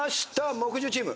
木１０チーム。